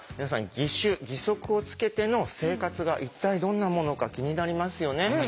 義手義足をつけての生活が一体どんなものか気になりますよね。